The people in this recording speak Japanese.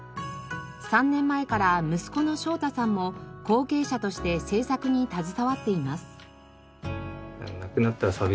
３年前から息子の翔太さんも後継者として製作に携わっています。